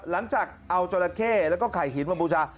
หลังจากเอาจราเข้แล้วก็ไข่หินมาบูชา